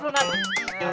tidak ada apa apaan